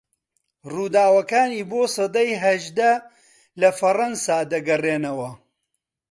رووداوەکانی بۆ سەدەی هەژدە لە فەڕەنسا دەگەرێنەوە